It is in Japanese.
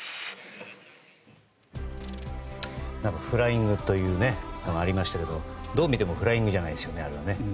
フライングとありましたけどどう見てもフライングじゃないですよね。